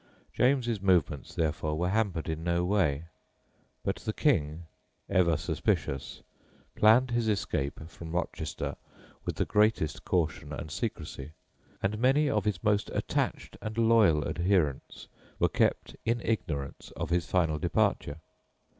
James's movements, therefore, were hampered in no way. But the King, ever suspicious, planned his escape from Rochester with the greatest caution and secrecy, and many of his most attached and loyal adherents were kept in ignorance of his final departure.